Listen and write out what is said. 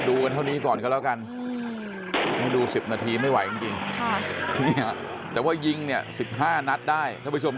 ดูเท่านี้ก่อนก็แล้วกันเดี๋ยวดู๑๐นาทีไม่ไหวจริงแต่ว่ายิงเนี่ย๑๕นัทได้